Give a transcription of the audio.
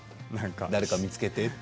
誰か見つけてって。